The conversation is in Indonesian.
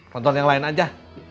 tonton yang lain aja